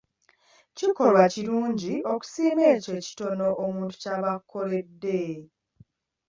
Kikolwa kirungi okusiima ekyo ekitono omuntu ky'aba akukoledde.